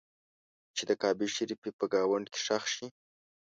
چې د کعبې شریفې په ګاونډ کې ښخ شي.